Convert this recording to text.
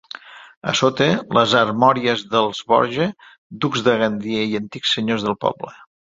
A sota, les armories dels Borja, ducs de Gandia i antics senyors del poble.